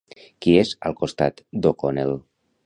Qui és al costat d'O'Connell?